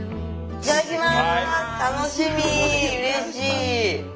いただきます。